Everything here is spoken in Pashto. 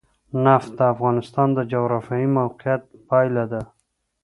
نفت د افغانستان د جغرافیایي موقیعت پایله ده.